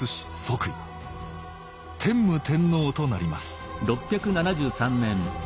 天武天皇となります